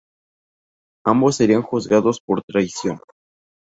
Ambos serían juzgados por traición.